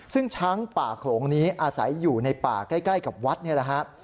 ซึ่งช้างป่าขององค์นี้อาศัยอยู่ในป่าใกล้ใกล้กับวัดเนี่ยนะฮะ